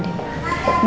ada isinya ada isinya